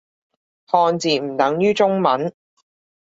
漢字唔等於中文